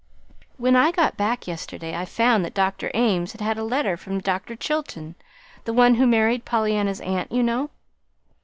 "When I got back yesterday I found that Dr. Ames had had a letter from Dr. Chilton, the one who married Pollyanna's aunt, you know.